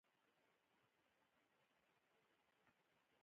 ذخیره کولو او ناوړه کارونې له امله رامنځ ته شوي